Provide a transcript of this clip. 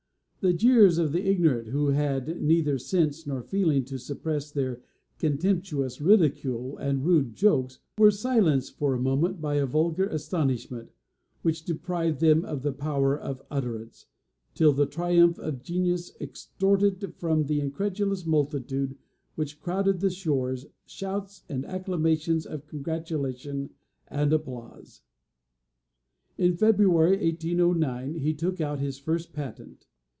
The jeers of the ignorant, who had neither sense nor feeling to suppress their contemptuous ridicule and rude jokes, were silenced for a moment by a vulgar astonishment, which deprived them of the power of utterance, till the triumph of genius extorted from the incredulous multitude which crowded the shores, shouts and acclamations of congratulation and applause. In February, 1809, he took out his first patent.